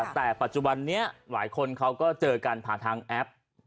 แต่ปัจจุบันนี้หลายคนเขาก็เจอกันผ่านทางแอป